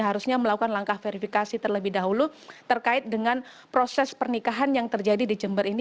harusnya melakukan langkah verifikasi terlebih dahulu terkait dengan proses pernikahan yang terjadi di jember ini